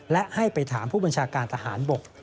และให้ไปถามผู้บัญชาการทหารบก